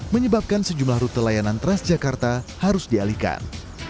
menyebabkan sejumlah rute layanan transjakarta harus dialihkan